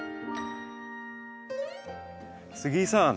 杉井さん。